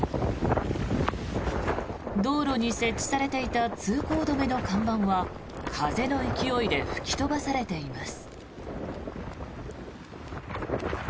道路に設置されていた通行止めの看板は風の勢いで吹き飛ばされています。